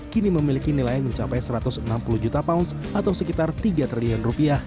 kini memiliki nilai mencapai satu ratus enam puluh juta pounds atau sekitar tiga triliun rupiah